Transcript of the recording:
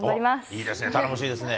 いいですね、頼もしいですね。